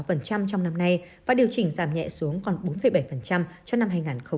ấm sáu trong năm nay và điều chỉnh giảm nhẹ xuống còn bốn bảy cho năm hai nghìn hai mươi hai